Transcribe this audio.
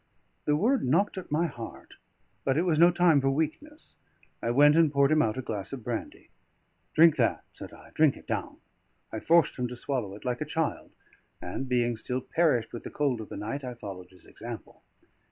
The word knocked at my heart; but it was no time for weakness. I went and poured him out a glass of brandy. "Drink that," said I, "drink it down." I forced him to swallow it like a child; and, being still perished with the cold of the night, I followed his example.